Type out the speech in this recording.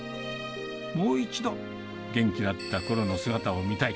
もう一度、元気だったころの姿を見たい。